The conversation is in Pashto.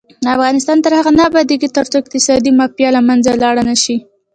افغانستان تر هغو نه ابادیږي، ترڅو اقتصادي مافیا له منځه لاړه نشي.